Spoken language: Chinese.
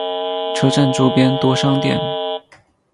车站周边多商店。